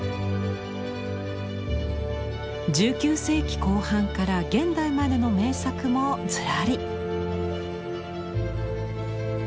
１９世紀後半から現代までの名作もずらり。